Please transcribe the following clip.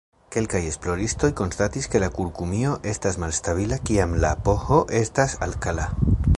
Kelkaj esploristoj konstatis ke la kurkumino estas malstabila kiam la pH estas alkala.